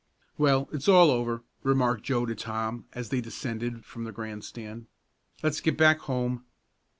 "Well, it's all over," remarked Joe to Tom, as they descended from the grandstand. "Let's get back home.